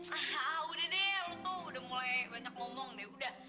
ah udah deh lu tuh udah mulai banyak ngomong deh udah